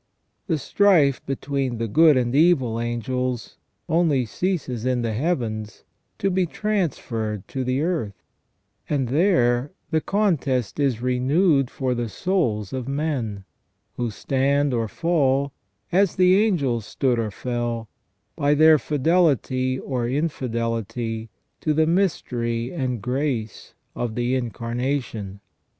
The strife between the good and evil angels only ceases in the heavens to be transferred to the earth ; and there the contest is renewed for the souls of men, who stand or fall, as the angels stood or fell, by their fidelity or infidelity to the mystery and grace of the Incarnation.